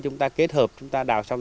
chúng ta kết hợp chúng ta đào xong